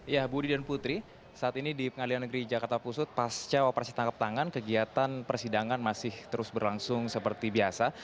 ya budi dan putri saat ini di pengadilan negeri jakarta pusat pasca operasi tangkap tangan kegiatan persidangan masih terus berlangsung seperti biasa